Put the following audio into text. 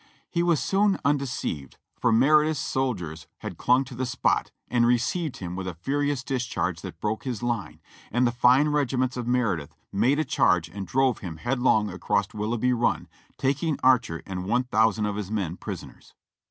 He was soon undeceived, for Meredith's soldiers had clung to the spot, and received him with a furious discharge that broke his line, and the fine regiments of Meredith made a charge and drove him headlong across Willoughb) Run, taking Archer and one thou sand of his men prisoners.